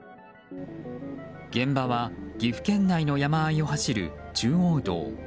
現場は岐阜県内の山あいを走る中央道。